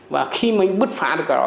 và khi mình bứt phá được đó